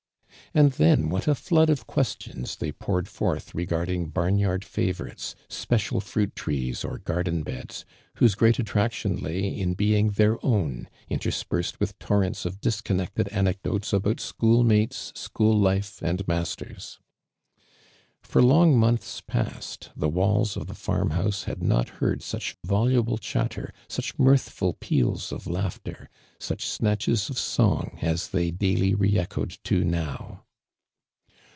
And then what a flood of questions they poured forth regarding barn yard i'avoritcs, special fruit trees, or garden beds, wlioso jireat attraction lay in being their own, in terspei sed with torrents of disconnecte(l ;'.neodotes about seliool mates, school life jind masters. For long months past the walls of the farm house had not heard sm h voluble eliatter, such mirthful peals of laughter, >uch snatches of songas tlu y daily re echoed to now.